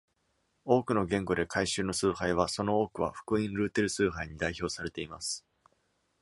多くの言語で会衆の崇拝はその多くは「福音ルーテル崇拝」に代表されています。